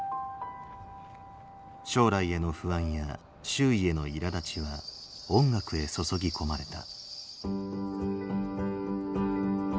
将来への不安や周囲へのいらだちは音楽へ注ぎ込まれた。